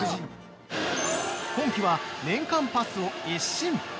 今期は年間パスを一新！